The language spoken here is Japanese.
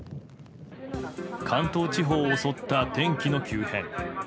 関東地方を襲った天気の急変。